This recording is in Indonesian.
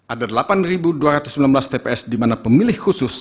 ada delapan dua ratus sembilan belas tps di mana pemilih khusus